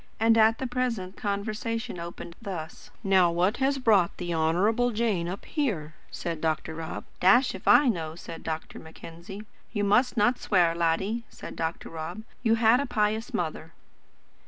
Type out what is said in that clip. And the present conversation opened thus: "Now what has brought the Honourable Jane up here?" said Dr. Rob. "Dashed if I know," said Dr. Mackenzie. "You must not swear, laddie," said Dr. Rob; "you had a pious mother."